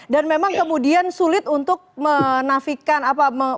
dan memang kemudian sulit untuk menafikan apa